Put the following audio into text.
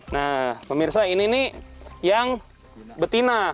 nah pemirsa ini nih yang betina